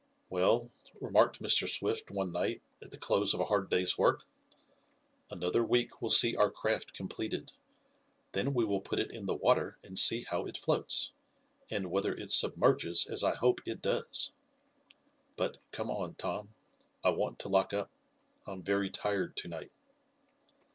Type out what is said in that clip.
"Well," remarked Mr. Swift one night, at the close of a hard day's work, "another week will see our craft completed. Then we will put it in the water and see how it floats, and whether it submerges as I hope it does. But come on, Tom. I want to lock up. I'm very tired to night."